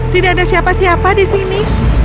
tidak ada siapa siapa di sini